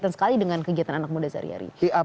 sekali dengan kegiatan anak muda sehari hari